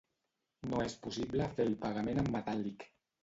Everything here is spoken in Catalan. No és possible fer el pagament en metàl·lic.